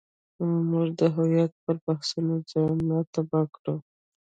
موږ د هویت پر بحثونو ځان نه تباه کړو.